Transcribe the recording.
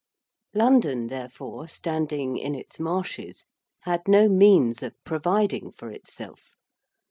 London, therefore, standing in its marshes had no means of providing for itself.